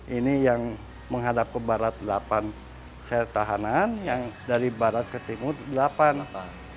ini yang menghadap ke barat delapan sel tahanan yang dari barat ke timur delapan